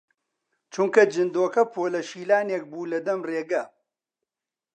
چونکە جندۆکە پۆلە شیلانێک بوو لە دەم ڕێگە